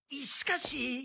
しかし。